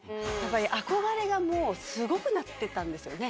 憧れがすごくなってたんですよね